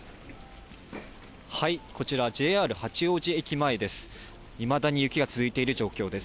こちら、ＪＲ八王子駅前です。